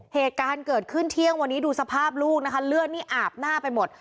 เหตุการณ์เกิดขึ้นเที่ยงวันนี้ดูสภาพลูกนะคะเลือดนี่อาบหน้าไปหมด